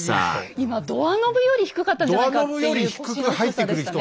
今ドアノブより低かったんじゃないかっていう腰の低さでしたね。